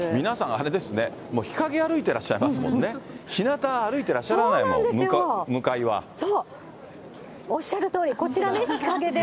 あれですね、もう日陰歩いていらっしゃいますもんね、日なた歩いてらっしゃらおっしゃるとおり、こちら日陰で。